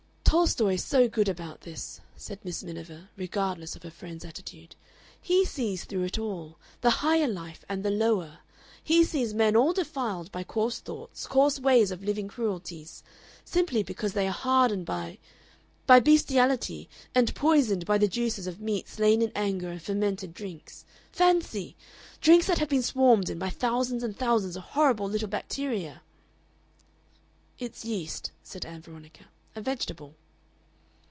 "Tolstoy is so good about this," said Miss Miniver, regardless of her friend's attitude. "He sees through it all. The Higher Life and the Lower. He sees men all defiled by coarse thoughts, coarse ways of living cruelties. Simply because they are hardened by by bestiality, and poisoned by the juices of meat slain in anger and fermented drinks fancy! drinks that have been swarmed in by thousands and thousands of horrible little bacteria!" "It's yeast," said Ann Veronica "a vegetable."